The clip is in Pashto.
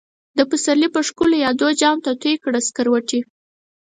دپسرلی په ښکلو يادو، جام ته تويې کړه سکروټی